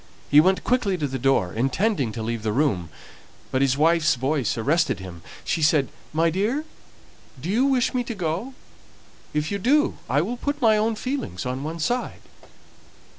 He went quickly to the door, intending to leave the room; but his wife's voice arrested him; she said, "My dear, do you wish me to go? if you do, I will put my own feelings on one side."